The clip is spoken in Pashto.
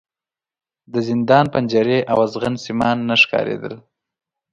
د زندان پنجرې او ازغن سیمان نه ښکارېدل.